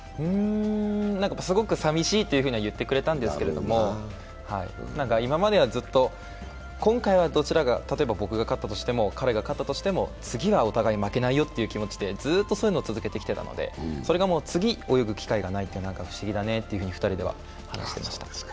すごく寂しいとは言ってくれたんですけど、今まではずっと、例えば今回は僕が勝ったとしても彼が勝ったとしても次はお互い負けないよという気持ちでずっとそういうのを続けてきてたのでそれが次泳ぐ機会がないって不思議だねと２人で離していました。